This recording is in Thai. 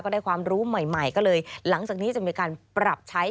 ได้ความรู้ใหม่ก็เลยหลังจากนี้จะมีการปรับใช้